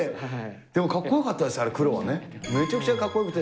でもかっこよかったですよね、黒で。